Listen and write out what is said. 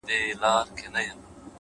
علم د جهالت تر ټولو لوی دښمن دی؛